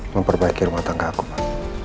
memperbaiki rumah tangga aku pak